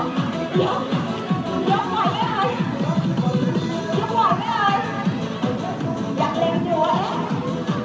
เดี๋ยวเราอัพหัวข่าวยื้อกระจายใหม่ข้างนี้อัพ